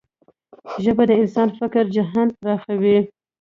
ژبه د انسان فکري جهان پراخوي.